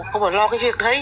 không phải lo cái việc đấy